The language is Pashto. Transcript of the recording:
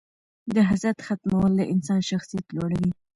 د حسد ختمول د انسان شخصیت لوړوي.